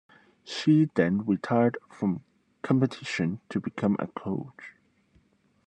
She then retired from competitions to become a coach.